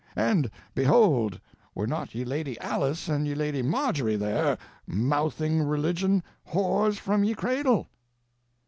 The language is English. And, beholde, were not ye Lady Alice and ye Lady Margery there, mouthing religion, whores from ye cradle?